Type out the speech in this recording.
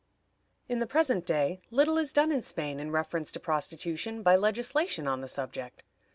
In the present day, little is done in Spain in reference to prostitution by legislation on the subject.